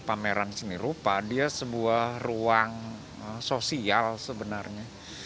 pameran seni rupa dia sebuah ruang sosial sebenarnya